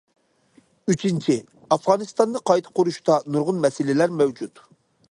ئۈچىنچى، ئافغانىستاننى قايتا قۇرۇشتا نۇرغۇن مەسىلىلەر مەۋجۇت.